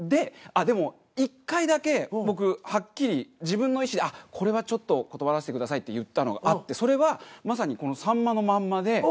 あっでも１回だけ僕はっきり自分の意思でこれはちょっと断らせてくださいって言ったのがあってそれはまさにこの「さんまのまんま」で。